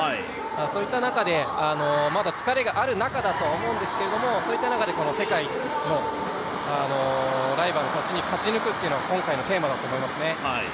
そういった中で、まだ疲れがある中だとは思うんですけれども、そういった中で世界のライバルたちに勝ち抜くというのが今回のテーマだと思いますね。